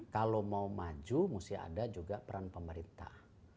kalau mau maju mesti ada juga peran pemerintah